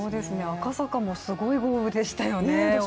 赤坂もすごい豪雨でしたよね。